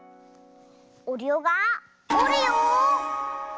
おるよがおるよ。